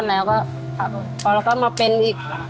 แล้วก็มาเป็นอีก